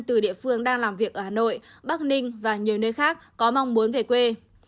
từ địa phương đang làm việc ở hà nội bắc ninh và nhiều nơi khác có mong muốn về quê